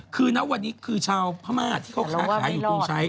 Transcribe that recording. คือนักวันนี้คือชาวพม่าที่เขาค้าอยู่กรุงชัย